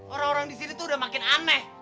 orang orang disini tuh udah makin aneh